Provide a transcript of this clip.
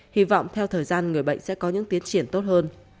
hy vọng theo thời gian người bệnh sẽ có những tiến triển tốt hơn